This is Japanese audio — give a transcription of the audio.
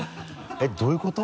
えっどういうこと？